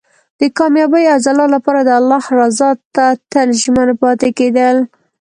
د کامیابۍ او ځلا لپاره د الله رضا ته تل ژمن پاتې کېدل.